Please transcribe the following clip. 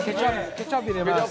ケチャップ入れます。